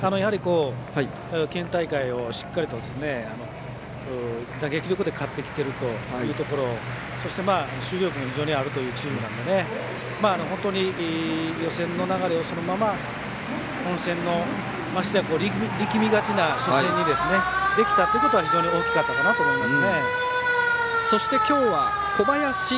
県大会をしっかりと打撃力で勝ってきているというところそして、守備力も非常にあるというチームなので本当に、予選の流れをそのまま本戦のましてや、力みがちな初戦でできたというのは非常に大きかったと思います。